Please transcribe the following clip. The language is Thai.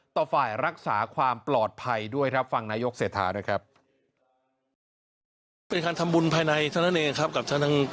ต่อฝ่ายรักษาความปลอดภัยด้วยครับฟังนายกเศรษฐาด้วยครับ